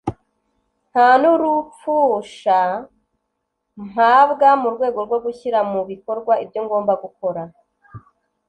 “Nta n’urupfusha mpabwa mu rwego rwo gushyira mu bikorwa ibyo ngomba gukora